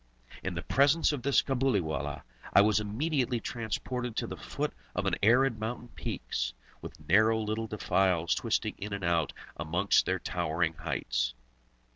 In the presence of this Cabuliwallah, I was immediately transported to the foot of arid mountain peaks, with narrow little defiles twisting in and out amongst their towering heights.